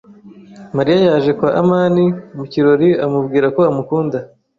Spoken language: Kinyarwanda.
Mariya yaje kwa amani mu kirori amubwira ko amukunda.